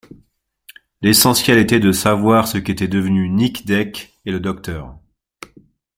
L’essentiel était de savoir ce qu’étaient devenus Nic Deck et le docteur.